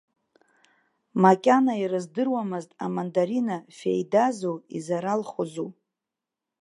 Макьана ирыздыруамызт, амандарина феидазу изаралхозу.